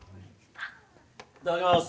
いただきます！